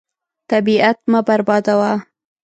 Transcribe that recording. طبیعت مه بربادوه.